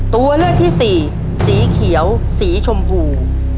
ตัวเลือกที่สี่สีเขียวสีชมพู